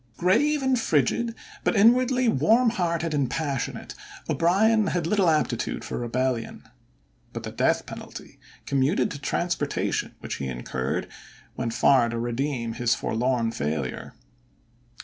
Grave and frigid, but inwardly warmhearted and passionate, O'Brien had little aptitude for rebellion. But the death penalty (commuted to transportation) which he incurred went far to redeem his forlorn failure.